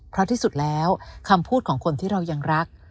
เพราะที่สุดแล้วคำพูดของคนที่เรายังรัก